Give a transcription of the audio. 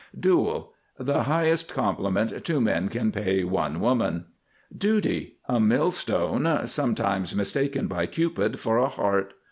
DUEL. The highest compliment two men can pay one woman. DUTY. A millstone sometimes mistaken by Cupid for a heart.